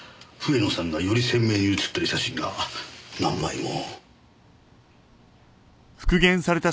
笛野さんがより鮮明に写っている写真が何枚も。